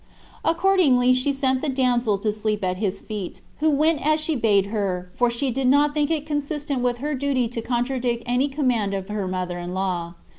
Accordingly she sent the damsel to sleep at his feet; who went as she bade her, for she did not think it consistent with her duty to contradict any command of her mother in law.